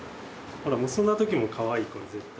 ほら結んだ時もかわいいこれ絶対。